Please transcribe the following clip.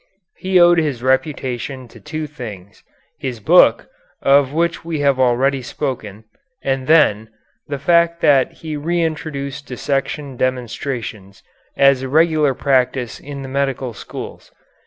He owed his reputation to two things: his book, of which we have already spoken, and then, the fact that he reintroduced dissection demonstrations as a regular practice in the medical schools.